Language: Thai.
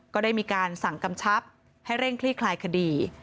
ก็ได้มีการสั่งกำชับให้เร่งคลี่คลายคดี